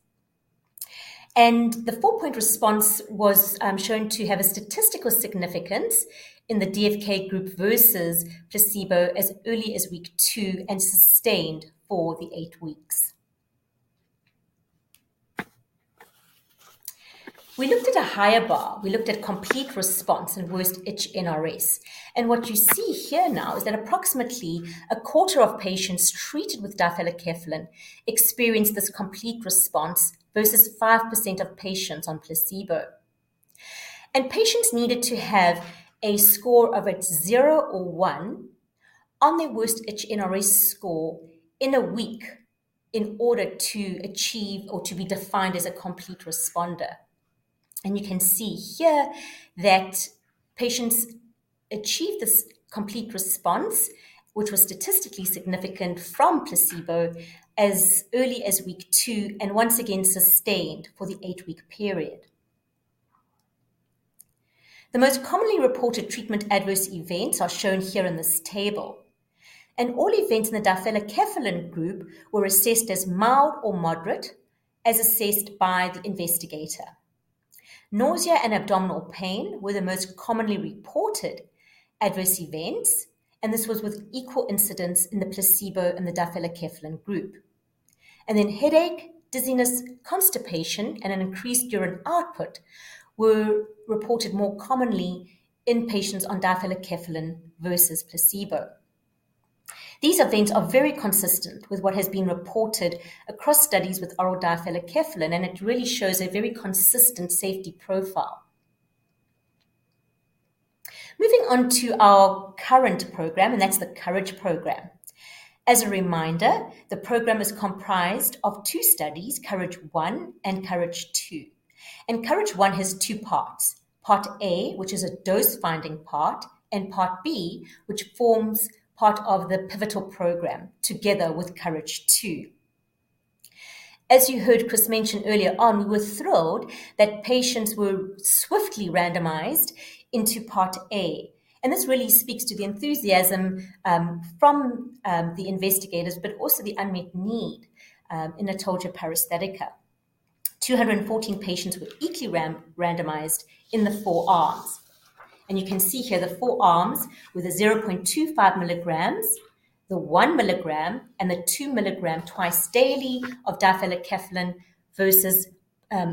[SPEAKER 3] The four-point response was shown to have a statistical significance in the DFK group versus placebo as early as week two and sustained for the eight weeks. We looked at a higher bar. We looked at complete response in Worst Itch NRS. What you see here now is that approximately a quarter of patients treated with difelikefalin experienced this complete response versus 5% of patients on placebo. Patients needed to have a score of zero or one on their Worst Itch NRS score in a week in order to achieve or to be defined as a complete responder. You can see here that patients achieved this complete response, which was statistically significant from placebo as early as week 2 and once again sustained for the eight-week period. The most commonly reported treatment adverse events are shown here in this table. All events in the difelikefalin group were assessed as mild or moderate as assessed by the investigator. Nausea and abdominal pain were the most commonly reported adverse events. This was with equal incidence in the placebo and the difelikefalin group. Then headache, dizziness, constipation, and an increased urine output were reported more commonly in patients on difelikefalin versus placebo. These events are very consistent with what has been reported across studies with oral difelikefalin. It really shows a very consistent safety profile. Moving on to our current program. That's the COURAGE program. As a reminder, the program is comprised of two studies, COURAGE 1 and COURAGE 2. COURAGE 1 has two parts, Part A, which is a dose-finding part, and Part B, which forms part of the pivotal program together with COURAGE 2. As you heard Chris mention earlier on, we were thrilled that patients were swiftly randomized into Part A. This really speaks to the enthusiasm from the investigators but also the unmet need in notalgia paresthetica. 214 patients were equally randomized in the four arms. You can see here the four arms with the 0.25 milligrams, the 1 milligram, and the 2 milligram twice daily of difelikefalin versus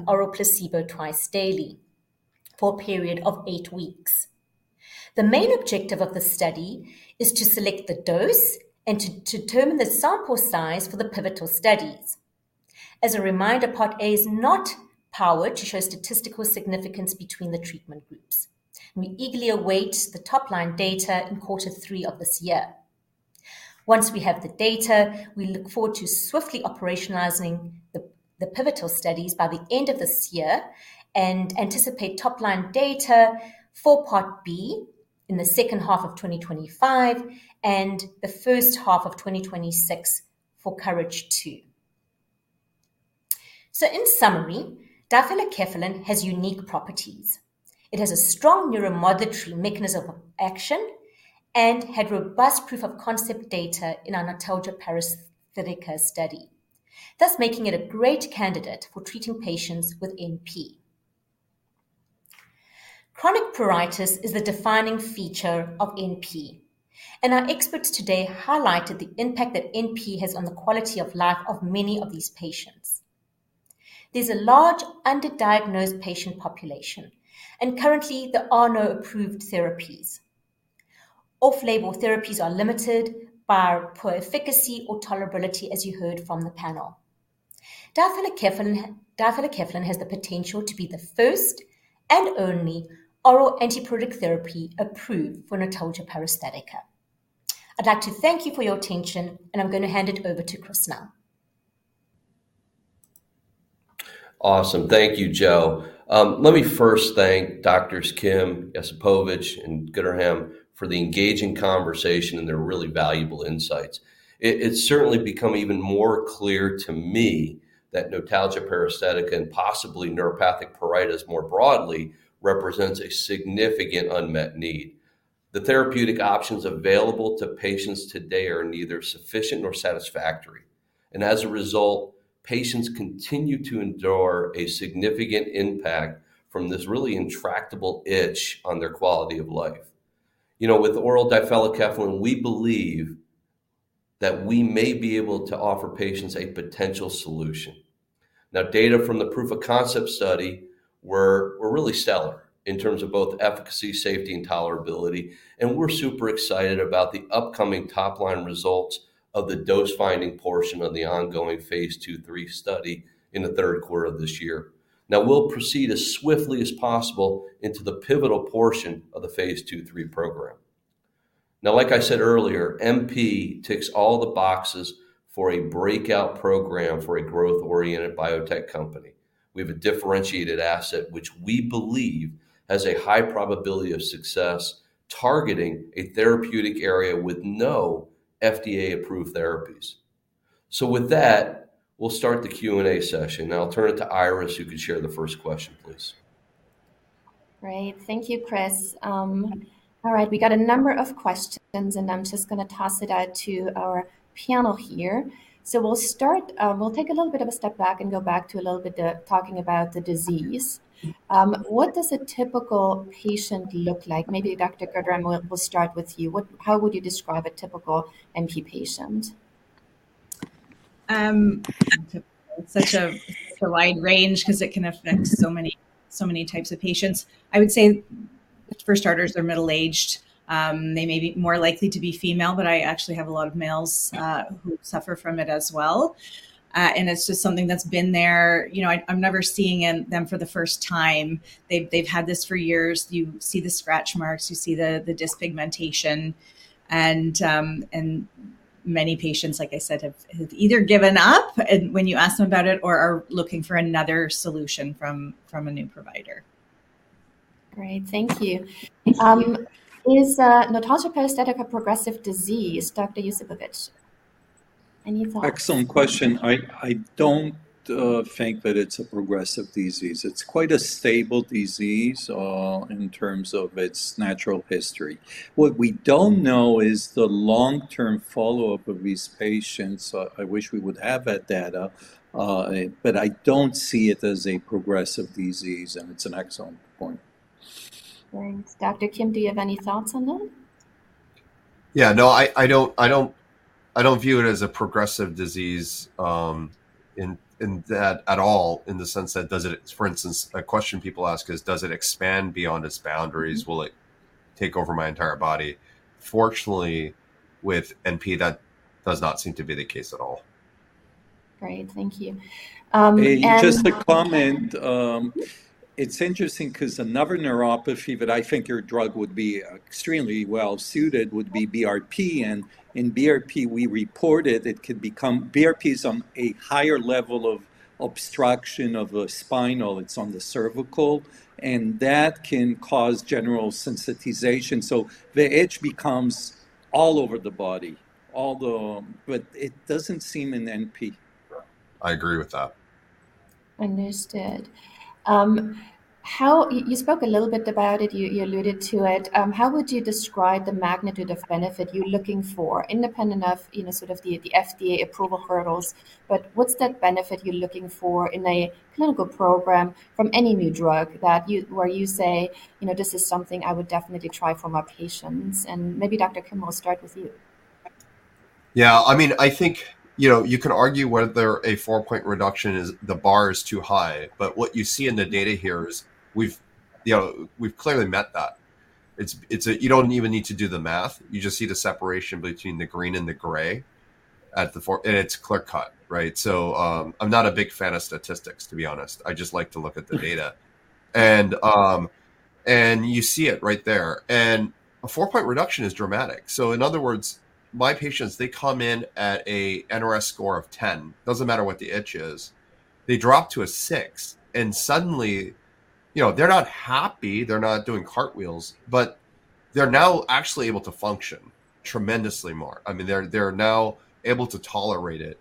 [SPEAKER 3] oral placebo twice daily for a period of eight weeks. The main objective of the study is to select the dose and to determine the sample size for the pivotal studies. As a reminder, Part A is not powered to show statistical significance between the treatment groups. We eagerly await the top-line data in quarter three of this year. Once we have the data, we look forward to swiftly operationalizing the pivotal studies by the end of this year and anticipate top-line data for Part B in the second half of 2025 and the first half of 2026 for COURAGE 2. In summary, difelikefalin has unique properties. It has a strong neuromodulatory mechanism of action and had robust proof of concept data in our notalgia paresthetica study, thus making it a great candidate for treating patients with NP. Chronic pruritus is the defining feature of NP. Our experts today highlighted the impact that NP has on the quality of life of many of these patients. There's a large underdiagnosed patient population. Currently, there are no approved therapies. Off-label therapies are limited by poor efficacy or tolerability, as you heard from the panel. Difelikefalin has the potential to be the first and only oral antipruritic therapy approved for notalgia paresthetica. I'd like to thank you for your attention. I'm going to hand it over to Chris now.
[SPEAKER 2] Awesome. Thank you, Jill. Let me first thank Doctors Kim, Yosipovitch, and Gooderham for the engaging conversation. They're really valuable insights. It's certainly become even more clear to me that notalgia paresthetica and possibly neuropathic pruritus more broadly represents a significant unmet need. The therapeutic options available to patients today are neither sufficient nor satisfactory. And as a result, patients continue to endure a significant impact from this really intractable itch on their quality of life. With oral difelikefalin, we believe that we may be able to offer patients a potential solution. Now, data from the proof of concept study were really stellar in terms of both efficacy, safety, and tolerability. We're super excited about the upcoming top-line results of the dose-finding portion of the ongoing phase II/III study in the 1/3 of this year. Now, we'll proceed as swiftly as possible into the pivotal portion of the phase II/III program. Now, like I said earlier, NP ticks all the boxes for a breakout program for a growth-oriented biotech company. We have a differentiated asset, which we believe has a high probability of success targeting a therapeutic area with no FDA-approved therapies. So with that, we'll start the Q&A session. Now, I'll turn it to Iris, who can share the first question, please.
[SPEAKER 1] Great. Thank you, Chris. All right. We got a number of questions. I'm just going to toss it out to our panel here. So we'll take a little bit of a step back and go back to a little bit talking about the disease. What does a typical patient look like? Maybe Dr. Gooderham, we'll start with you. How would you describe a typical NP patient?
[SPEAKER 6] It's such a wide range because it can affect so many types of patients. I would say for starters, they're middle-aged. They may be more likely to be female. But I actually have a lot of males who suffer from it as well. And it's just something that's been there. I'm never seeing them for the first time. They've had this for years. You see the scratch marks. You see the depigmentation. And many patients, like I said, have either given up when you ask them about it or are looking for another solution from a new provider.
[SPEAKER 1] Great. Thank you. Is Notalgia paresthetica progressive disease, Dr. Yosipovitch? Any thoughts?
[SPEAKER 4] Excellent question. I don't think that it's a progressive disease. It's quite a stable disease in terms of its natural history. What we don't know is the long-term follow-up of these patients. I wish we would have that data. But I don't see it as a progressive disease. And it's an excellent point.
[SPEAKER 1] Thanks. Dr. Kim, do you have any thoughts on that?
[SPEAKER 5] Yeah. No, I don't view it as a progressive disease at all in the sense that, for instance, a question people ask is, "Does it expand beyond its boundaries? Will it take over my entire body?" Fortunately, with NP, that does not seem to be the case at all.
[SPEAKER 1] Great. Thank you.
[SPEAKER 4] Just a comment. It's interesting because another neuropathy that I think your drug would be extremely well-suited with would be BRP. In BRP, we reported it could become. BRP is on a higher level of obstruction of the spinal. It's on the cervical. That can cause general sensitization. The itch becomes all over the body, but it doesn't seem in NP.
[SPEAKER 5] I agree with that.
[SPEAKER 1] Understood. You spoke a little bit about it. You alluded to it. How would you describe the magnitude of benefit you're looking for, independent of sort of the FDA approval hurdles? But what's that benefit you're looking for in a clinical program from any new drug where you say, "This is something I would definitely try for my patients"? And maybe Dr. Kim, we'll start with you.
[SPEAKER 5] Yeah. I mean, I think you can argue whether a four point reduction is the bar is too high. But what you see in the data here is we've clearly met that. You don't even need to do the math. You just see the separation between the green and the gray. And it's clear-cut, right? So I'm not a big fan of statistics, to be honest. I just like to look at the data. And you see it right there. And a four point reduction is dramatic. So in other words, my patients, they come in at an NRS score of 10. It doesn't matter what the itch is. They drop to a six. And suddenly, they're not happy. They're not doing cartwheels. But they're now actually able to function tremendously more. I mean, they're now able to tolerate it.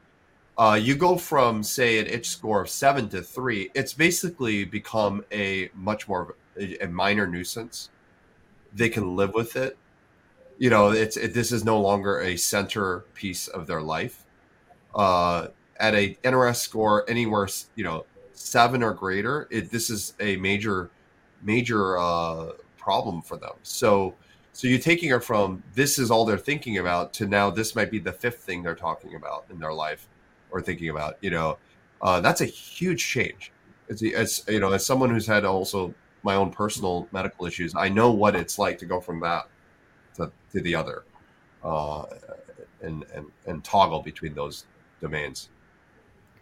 [SPEAKER 5] You go from, say, an itch score of seven to three, it's basically become a much more minor nuisance. They can live with it. This is no longer a centerpiece of their life. At an NRS score anywhere seven or greater, this is a major problem for them. So you're taking it from, "This is all they're thinking about," to now, "This might be the fifth thing they're talking about in their life or thinking about." That's a huge change. As someone who's had also my own personal medical issues, I know what it's like to go from that to the other and toggle between those domains.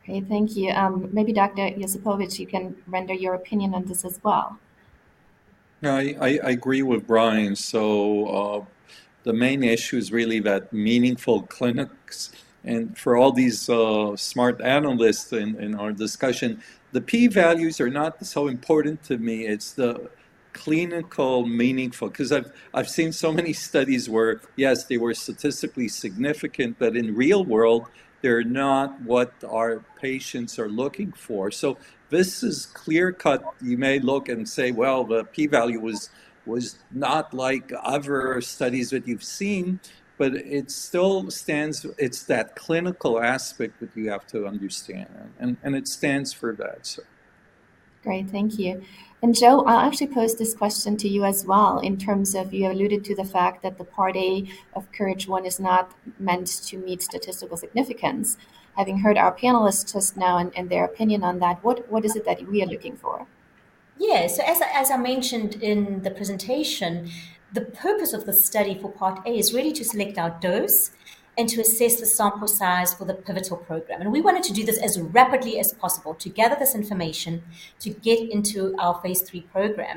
[SPEAKER 1] Great. Thank you. Maybe Dr. Yosipovitch, you can render your opinion on this as well.
[SPEAKER 4] Yeah. I agree with Brian. So the main issue is really that meaningful clinics and for all these smart analysts in our discussion, the p-values are not so important to me. It's the clinical meaningful because I've seen so many studies where, yes, they were statistically significant. But in real world, they're not what our patients are looking for. So this is clear-cut. You may look and say, "Well, the p-value was not like other studies that you've seen." But it still stands, it's that clinical aspect that you have to understand. And it stands for that, so.
[SPEAKER 1] Great. Thank you. And Jill, I'll actually pose this question to you as well in terms of you alluded to the fact that the Part A of COURAGE 1 is not meant to meet statistical significance. Having heard our panelists just now and their opinion on that, what is it that we are looking for?
[SPEAKER 3] Yeah. So as I mentioned in the presentation, the purpose of the study for Part A is really to select our dose and to assess the sample size for the pivotal program. We wanted to do this as rapidly as possible to gather this information to get into our phase III program.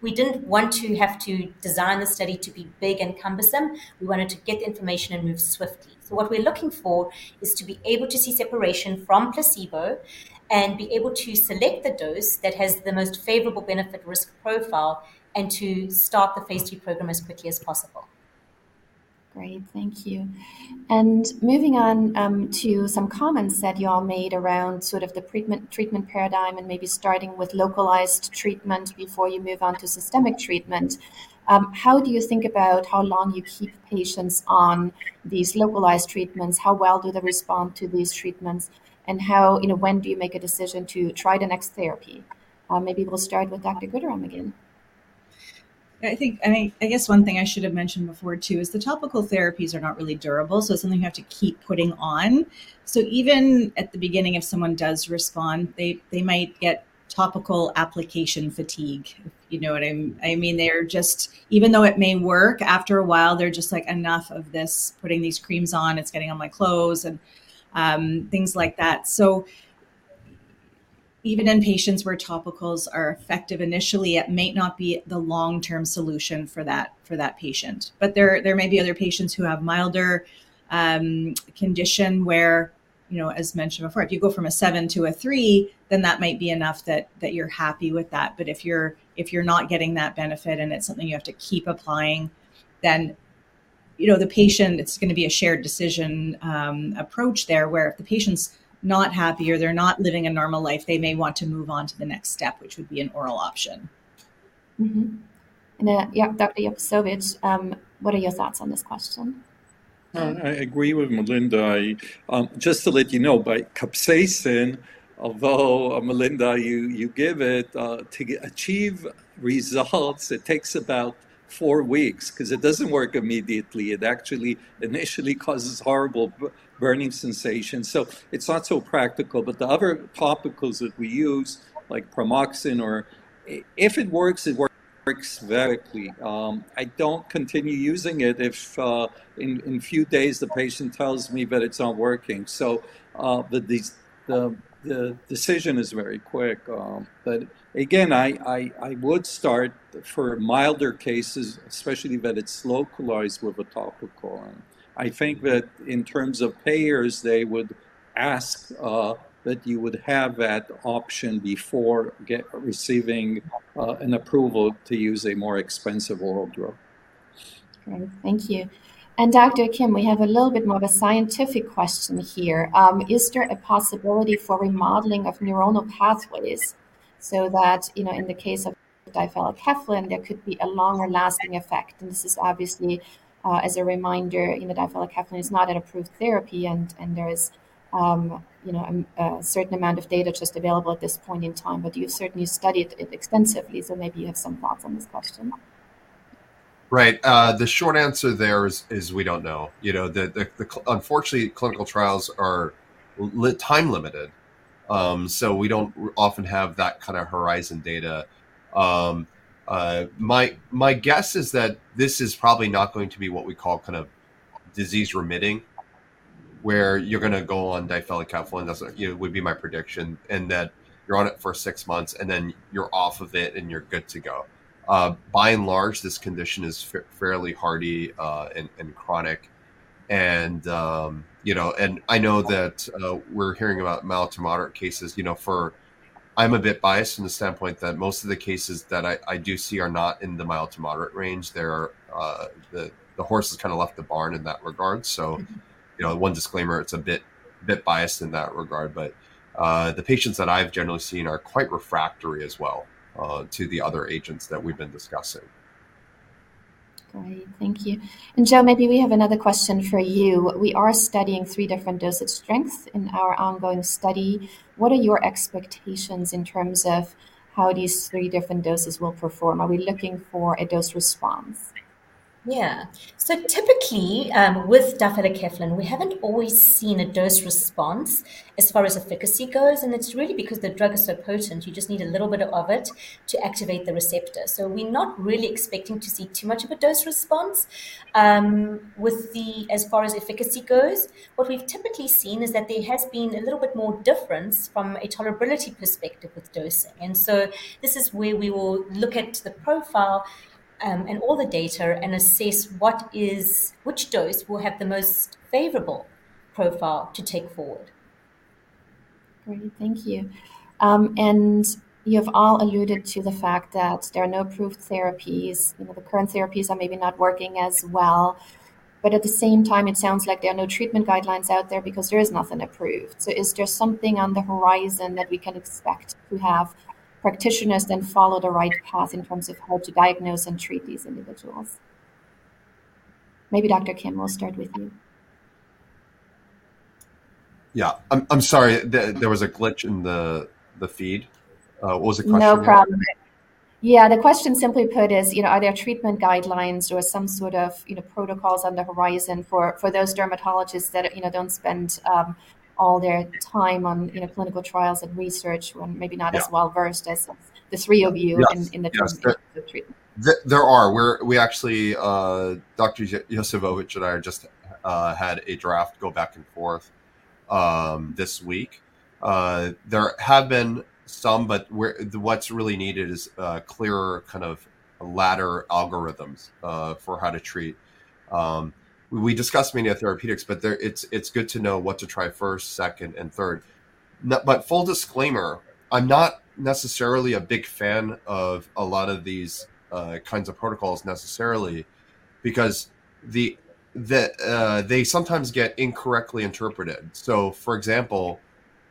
[SPEAKER 3] We didn't want to have to design the study to be big and cumbersome. We wanted to get the information and move swiftly. What we're looking for is to be able to see separation from placebo and be able to select the dose that has the most favorable benefit-risk profile and to start the phase III program as quickly as possible.
[SPEAKER 1] Great. Thank you. And moving on to some comments that you all made around sort of the treatment paradigm and maybe starting with localized treatment before you move on to systemic treatment, how do you think about how long you keep patients on these localized treatments? How well do they respond to these treatments? And when do you make a decision to try the next therapy? Maybe we'll start with Dr. Gooderham again.
[SPEAKER 6] I guess one thing I should have mentioned before, too, is the topical therapies are not really durable. It's something you have to keep putting on. Even at the beginning, if someone does respond, they might get topical application fatigue, if you know what I mean. I mean, even though it may work, after a while, they're just like, "Enough of this. Putting these creams on. It's getting on my clothes," and things like that. Even in patients where topicals are effective initially, it may not be the long-term solution for that patient. But there may be other patients who have a milder condition where, as mentioned before, if you go from a seven to three, then that might be enough that you're happy with that. If you're not getting that benefit and it's something you have to keep applying, then, the patient, it's going to be a shared decision approach there where if the patient's not happy or they're not living a normal life, they may want to move on to the next step, which would be an oral option.
[SPEAKER 1] Yeah, Dr. Yosipovitch, what are your thoughts on this question?
[SPEAKER 4] I agree with Melinda. Just to let you know, by capsaicin, although Melinda, you give it, to achieve results, it takes about four weeks because it doesn't work immediately. It actually initially causes horrible burning sensation. So it's not so practical. But the other topicals that we use, like pramoxine, if it works, it works very quickly. I don't continue using it if in a few days, the patient tells me that it's not working. So the decision is very quick. But again, I would start for milder cases, especially that it's localized with a topical. And I think that in terms of payers, they would ask that you would have that option before receiving an approval to use a more expensive oral drug.
[SPEAKER 3] Great. Thank you. And Dr. Kim, we have a little bit more of a scientific question here. Is there a possibility for remodeling of neuronal pathways so that in the case of difelikefalin, there could be a longer-lasting effect? And this is obviously, as a reminder, difelikefalin is not an approved therapy. And there is a certain amount of data just available at this point in time. But you certainly studied it extensively. So maybe you have some thoughts on this question.
[SPEAKER 5] Right. The short answer there is we don't know. Unfortunately, clinical trials are time-limited. So we don't often have that kind of horizon data. My guess is that this is probably not going to be what we call kind of disease-remitting where you're going to go on difelikefalin. That would be my prediction, and that you're on it for six months, and then you're off of it, and you're good to go. By and large, this condition is fairly hardy and chronic. And I know that we're hearing about mild to moderate cases. I'm a bit biased from the standpoint that most of the cases that I do see are not in the mild to moderate range. The horse has kind of left the barn in that regard. So one disclaimer, it's a bit biased in that regard. The patients that I've generally seen are quite refractory as well to the other agents that we've been discussing.
[SPEAKER 1] Great. Thank you. Jill, maybe we have another question for you. We are studying three different dosage strengths in our ongoing study. What are your expectations in terms of how these three different doses will perform? Are we looking for a dose response?
[SPEAKER 3] Yeah. So typically, with difelikefalin, we haven't always seen a dose response as far as efficacy goes. And it's really because the drug is so potent, you just need a little bit of it to activate the receptor. So we're not really expecting to see too much of a dose response as far as efficacy goes. What we've typically seen is that there has been a little bit more difference from a tolerability perspective with dosing. And so this is where we will look at the profile and all the data and assess which dose will have the most favorable profile to take forward.
[SPEAKER 1] Great. Thank you. You've all alluded to the fact that there are no approved therapies. The current therapies are maybe not working as well. At the same time, it sounds like there are no treatment guidelines out there because there is nothing approved. Is there something on the horizon that we can expect to have practitioners then follow the right path in terms of how to diagnose and treat these individuals? Maybe Dr. Kim, we'll start with you.
[SPEAKER 5] Yeah. I'm sorry. There was a glitch in the feed. What was the question?
[SPEAKER 1] No problem. Yeah. The question, simply put, is, are there treatment guidelines or some sort of protocols on the horizon for those dermatologists that don't spend all their time on clinical trials and research when maybe not as well-versed as the three of you in the terms of treatment?
[SPEAKER 5] Dr. Yosipovitch and I just had a draft go back and forth this week. But what's really needed is clearer kind of ladder algorithms for how to treat. We discussed Tvardi Therapeutics, but it's good to know what to try first, second, and third. But full disclaimer, I'm not necessarily a big fan of a lot of these kinds of protocols necessarily because they sometimes get incorrectly interpreted. So for example,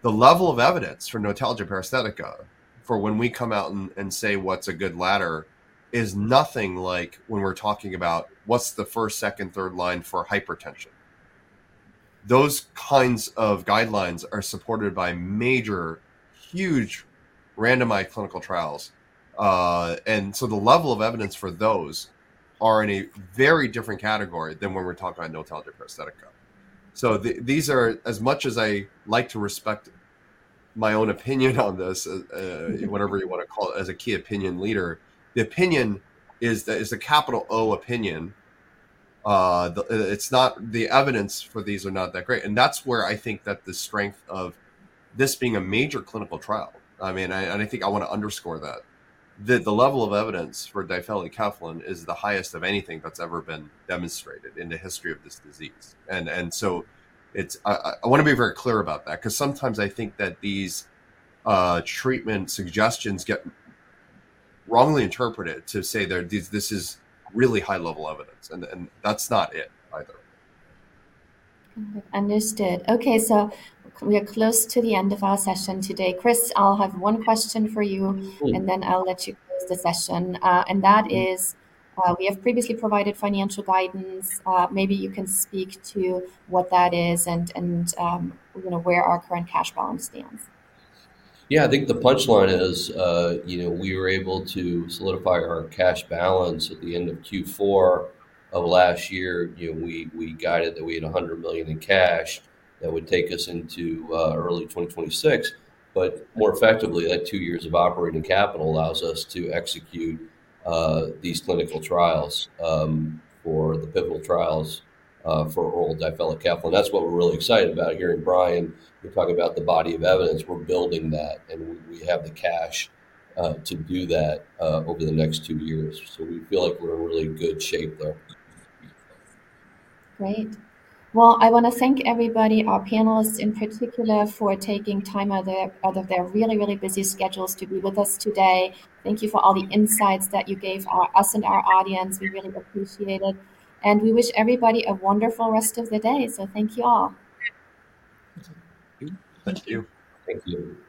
[SPEAKER 5] the level of evidence for notalgia paresthetica for when we come out and say what's a good ladder is nothing like when we're talking about what's the first, second, third line for hypertension. Those kinds of guidelines are supported by major, huge randomized clinical trials. So the level of evidence for those are in a very different category than when we're talking about notalgia paresthetica. As much as I like to respect my own opinion on this, whatever you want to call it, as a key opinion leader, the opinion is the capital O opinion. The evidence for these are not that great. And that's where I think that the strength of this being a major clinical trial I mean, and I think I want to underscore that the level of evidence for difelikefalin is the highest of anything that's ever been demonstrated in the history of this disease. And so I want to be very clear about that because sometimes I think that these treatment suggestions get wrongly interpreted to say this is really high-level evidence. And that's not it either.
[SPEAKER 1] Understood. Okay. So we are close to the end of our session today. Chris, I'll have one question for you, and then I'll let you close the session. And that is, we have previously provided financial guidance. Maybe you can speak to what that is and where our current cash balance stands.
[SPEAKER 2] Yeah. I think the punchline is we were able to solidify our cash balance at the end of Q4 of last year. We guided that we had $100 million in cash that would take us into early 2026. But more effectively, that two years of operating capital allows us to execute these clinical trials for the pivotal trials for oral difelikefalin. That's what we're really excited about. Hearing Brian talk about the body of evidence, we're building that. And we have the cash to do that over the next two years. So we feel like we're in really good shape there.
[SPEAKER 1] Great. Well, I want to thank everybody, our panelists in particular, for taking time out of their really, really busy schedules to be with us today. Thank you for all the insights that you gave us and our audience. We really appreciate it. We wish everybody a wonderful rest of the day. Thank you all.
[SPEAKER 4] Thank you.
[SPEAKER 2] Thank you.